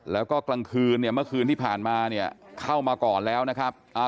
แล้วก็กลางคืนเนี่ยเมื่อคืนที่ผ่านมาเนี่ยเข้ามาก่อนแล้วนะครับ